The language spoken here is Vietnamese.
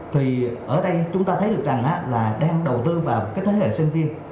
thì ở đây chúng ta thấy được rằng là đang đầu tư vào cái thế hệ sinh viên